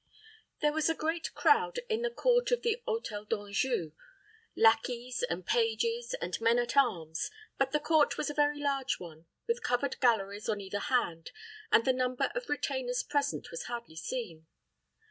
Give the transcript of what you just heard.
There was a great crowd in the court of the Hôtel d'Anjou lackeys, and pages, and men at arms; but the court was a very large one, with covered galleries on either hand, and the number of retainers present was hardly seen.